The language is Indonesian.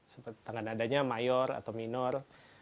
seperti tangga nadanya mayor atau minor